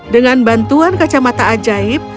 dengan bantuan kacamata ajaib